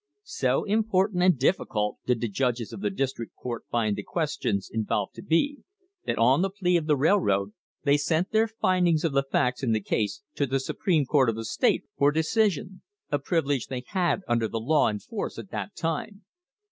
So "important and difficult" did the judges of the District Court find the questions involved to be, that on the plea of the railroad they sent their findings of the facts in the case to the Supreme Court of the state for decision a privilege they had under the law in force at that time.